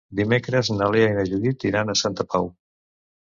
Dimecres na Lea i na Judit iran a Santa Pau.